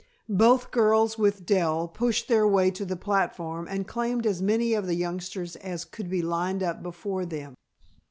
Both girls, with Dell, pushed their way to the platform and claimed as many of the youngsters as could be lined up before them.